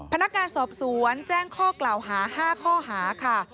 พนักงานสอบสวนแจ้งข้อกล่าวหา๕ข้อหาค่ะ